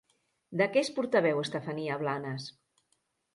De què és portaveu Estefania Blanes?